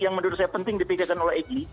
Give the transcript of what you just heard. yang menurut saya penting dipikirkan oleh egy